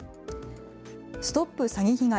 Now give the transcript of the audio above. ＳＴＯＰ詐欺被害！